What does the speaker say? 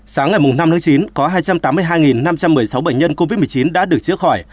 sáng ngày năm tháng chín có hai trăm tám mươi hai năm trăm một mươi sáu bệnh nhân covid một mươi chín đã được chữa khỏi